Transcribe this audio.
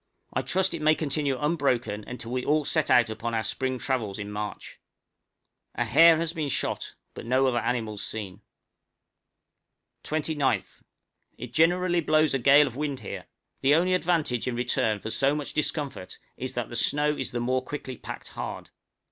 I trust it may continue unbroken until we all set out upon our spring travels in March. A hare has been shot, but no other animals seen. {ANOTHER OBSERVATORY BUILT.} 29th. It generally blows a gale of wind here; the only advantage in return for so much discomfort is that the snow is the more quickly packed hard.